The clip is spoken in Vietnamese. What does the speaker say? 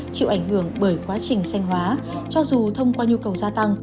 chịu ảnh hưởng bởi quá trình sanh hóa cho dù thông qua nhu cầu gia tăng